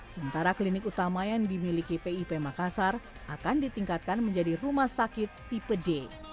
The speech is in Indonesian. sementara klinik utama yang dimiliki pip makassar akan ditingkatkan menjadi rumah sakit tipe d